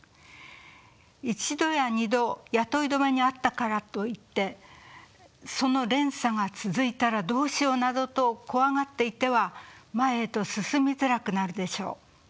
１度や２度雇い止めにあったからといってその連鎖が続いたらどうしようなどと怖がっていては前へと進みづらくなるでしょう。